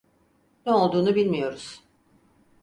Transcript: Ne olduğunu bilmiyoruz.